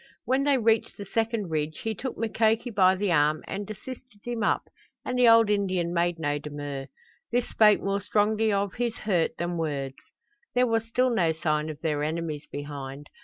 When they reached the second ridge he took Mukoki by the arm and assisted him up, and the old Indian made no demur. This spoke more strongly of his hurt than words. There was still no sign of their enemies behind.